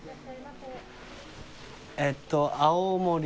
えっと。